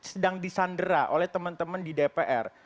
sedang disandera oleh teman teman di dpr